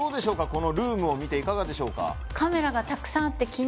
このルームを見ていかがでしょうかしますね